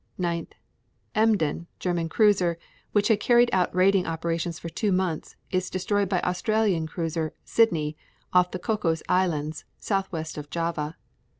9. Emden, German cruiser, which had carried out raiding operations for two months, is destroyed by Australian cruiser Sydney off the Cocos Islands, southwest of Java.